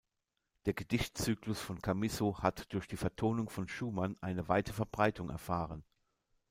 Der Gedichtzyklus von Chamisso hat durch die Vertonung von Schumann eine weite Verbreitung erfahren.